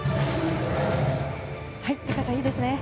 高さ、いいですね。